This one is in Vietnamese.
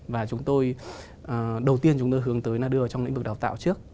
và chúng tôi đầu tiên chúng tôi hướng tới là đưa trong lĩnh vực đào tạo trước